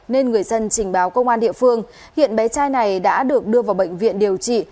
nên người dân trình báo công an địa phương hiện bé trai này đã được đưa vào bệnh viện điều trị